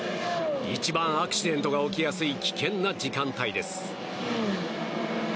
一番アクシデントが起きやすい危険な時間帯です。